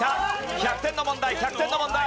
１００点の問題１００点の問題。